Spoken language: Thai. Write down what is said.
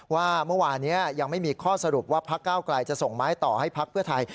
ว่าเมื่อวานี้ยังไม่มีข้อสรุปว่าพกจะส่งมาต่อให้พพไทย